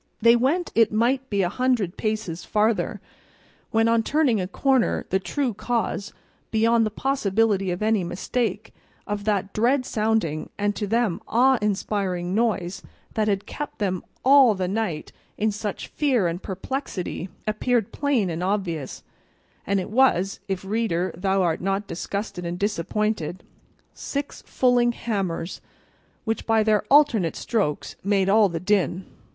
They went it might be a hundred paces farther, when on turning a corner the true cause, beyond the possibility of any mistake, of that dread sounding and to them awe inspiring noise that had kept them all the night in such fear and perplexity, appeared plain and obvious; and it was (if, reader, thou art not disgusted and disappointed) six fulling hammers which by their alternate strokes made all the din.